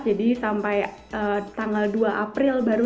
jadi sampai tanggal dua april berarti